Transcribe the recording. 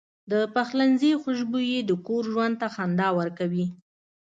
د پخلنځي خوشبويي د کور ژوند ته خندا ورکوي.